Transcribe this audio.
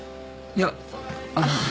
いやあの。